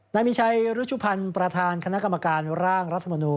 นายมีชัยรุชุพันธ์ประธานคณะกรรมการร่างรัฐมนูล